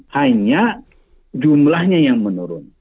hanya jumlahnya yang menurun